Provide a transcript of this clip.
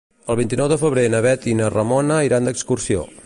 El vint-i-nou de febrer na Bet i na Ramona iran d'excursió.